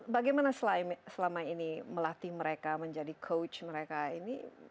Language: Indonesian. bagaimana selama ini melatih mereka menjadi coach mereka ini